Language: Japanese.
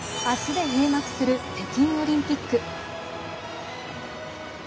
あすで閉幕する北京オリンピック。